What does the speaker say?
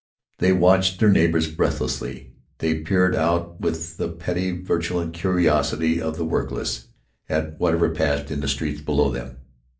They watched their neighbors breathlessly. They peered out with the petty virulent curiosity of the workless at whatever passed in the streets below them.